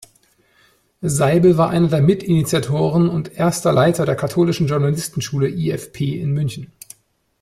Seibel war einer der Mitinitiatoren und erster Leiter der Katholischen Journalistenschule "ifp" in München.